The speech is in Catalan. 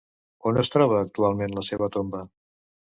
On es troba actualment la seva tomba?